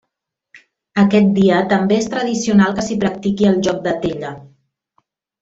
Aquest dia també és tradicional que s'hi practiqui el joc de tella.